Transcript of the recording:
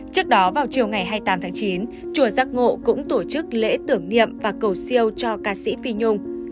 trước đó vào chiều ngày hai mươi tám tháng chín chùa giác ngộ cũng tổ chức lễ tưởng niệm và cầu siêu cho ca sĩ phi nhung